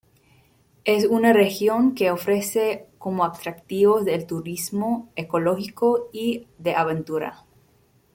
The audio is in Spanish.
Es una región que ofrece como atractivos el turismo ecológico y de aventura.